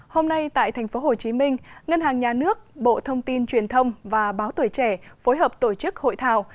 hôm nay tại tp hcm ngân hàng nhà nước bộ thông tin truyền thông và báo tuổi trẻ phối hợp tổ chức hội thảo